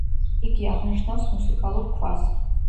იგი აღნიშნავს „მუსიკალურ ქვას“.